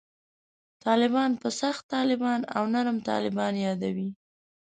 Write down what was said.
طالبان په «سخت طالبان» او «نرم طالبان» یادوي.